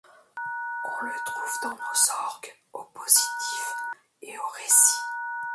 On le trouve dans nos orgues au positif et au récit.